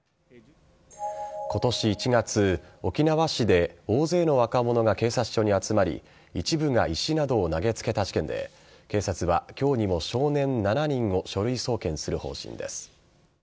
今年１月沖縄市で大勢の若者が警察署に集まり一部が石などを投げつけた事件で警察は今日にも少年７人を書類送検する方針です。